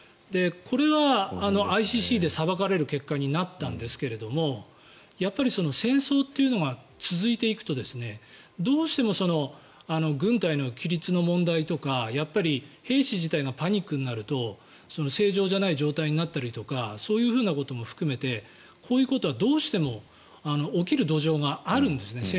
これはＩＣＣで裁かれる結果になったんですけれどやっぱり戦争っていうのが続いていくとどうしても軍隊の規律の問題とか兵士自体がパニックになると正常じゃない状態になったりとかそういうことも含めてこういうことはどうしても起きる土壌があるんですね。